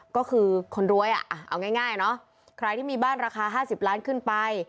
ก็คือคนรวยเอาง่ายใครที่มีบ้านราคา๕๐ล้านบาทขึ้นไป